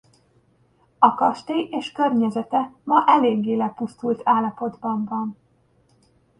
A kastély és környezete ma eléggé lepusztult állapotban van.